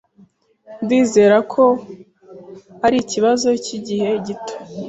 Ndizera ko ari ikibazo cyigihe gito.